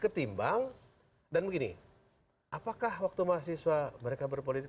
ketimbang dan begini apakah waktu mahasiswa mereka berpolitik